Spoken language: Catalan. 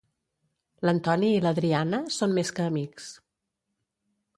L'Antoni i l'Adriana són més que amics.